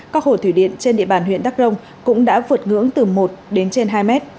các hồ thủy điện trên địa bàn huyện đắk rồng cũng đã vượt ngưỡng từ một đến trên hai mét